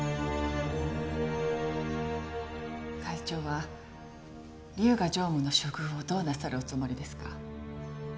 会長は龍河常務の処遇をどうなさるおつもりですか？